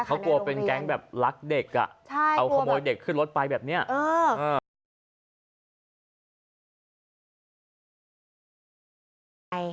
เขากลัวเป็นแก๊งแบบรักเด็กเอาขโมยเด็กขึ้นรถไปแบบนี้